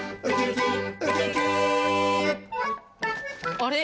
あれ？